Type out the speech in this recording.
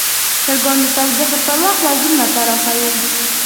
چرګان د تودوخې پر وخت وزرونه پراخوي.